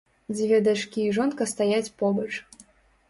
Дзве дачкі і жонка стаяць побач.